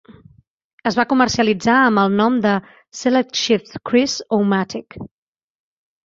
Es va comercialitzar amb el nom de "SelectShift Cruise-O-Matic".